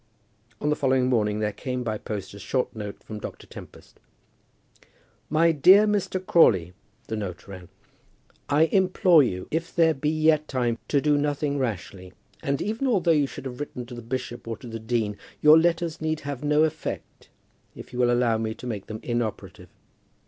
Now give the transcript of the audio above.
On the following morning there came by post a short note from Dr. Tempest. "My dear Mr. Crawley," the note ran, I implore you, if there be yet time, to do nothing rashly. And even although you should have written to the bishop or to the dean, your letters need have no effect, if you will allow me to make them inoperative.